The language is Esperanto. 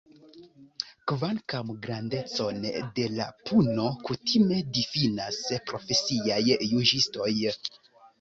Kvankam grandecon de la puno kutime difinas profesiaj juĝistoj.